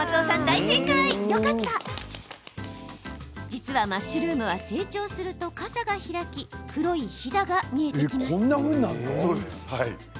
実は、マッシュルームは成長すると、傘が開き黒いヒダが見えてきます。